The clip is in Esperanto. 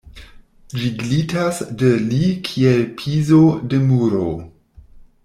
Ĝi glitas de li kiel pizo de muro.